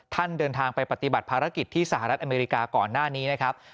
เดินทางไปปฏิบัติภารกิจที่สหรัฐอเมริกาก่อนหน้านี้นะครับ